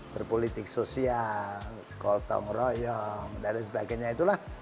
berpolitik sosial golong golong royong dan sebagainya itulah